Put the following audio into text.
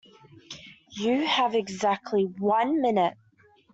You have exactly one minute.